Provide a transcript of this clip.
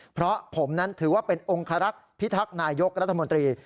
เพราะผมนั้นถือว่าเป็นองคารักษ์พิทักษ์นายกรัฐมนตรี